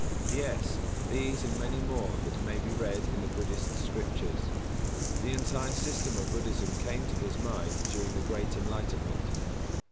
Yes, these and many more that may be read in the Buddhist Scriptures. The entire system of Buddhism came to his mind during the Great Enlightenment.